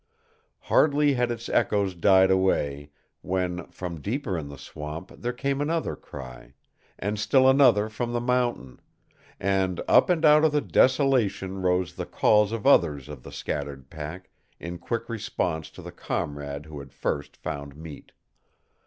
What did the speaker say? Hardly had its echoes died away when, from deeper in the swamp, there came another cry, and still another from the mountain; and up and out of the desolation rose the calls of others of the scattered pack, in quick response to the comrade who had first found meat.